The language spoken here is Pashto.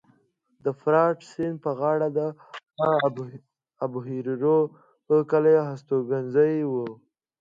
د فرات سیند په غاړه د ابوهریره کلی هستوګنځی و